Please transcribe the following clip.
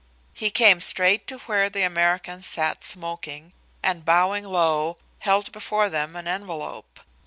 He came straight to where the Americans sat smoking and, bowing low, held before them an envelope.